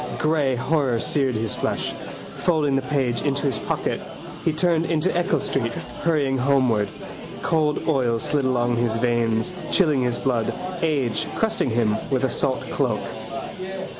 Grey horror seared his flesh. Folding the page into his pocket he turned into Eccles street, hurrying homeward. Cold oils slid along his veins, chilling his blood: age crusting him with a salt cloak.